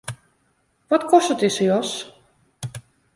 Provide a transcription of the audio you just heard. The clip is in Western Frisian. Wat kostet dizze jas?